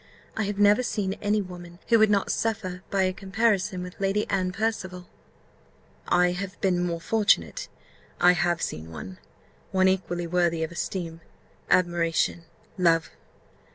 I have never seen any woman who would not suffer by a comparison with Lady Anne Percival." "I have been more fortunate, I have seen one one equally worthy of esteem admiration love."